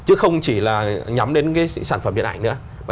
chứ không chỉ là nhắm đến cái sản phẩm điện ảnh nữa